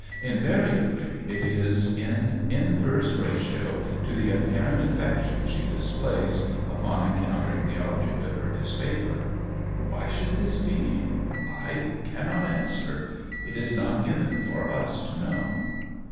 Invariably it is in inverse ratio to the apparent affection she displays upon encountering the object of her disfavor. Why should this be? I cannot answer. It is not given for us to know.